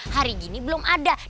hari gini belum ada yang nyanyi